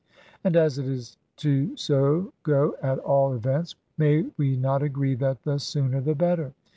And as it is to so go at all events, may we not agree that the sooner the better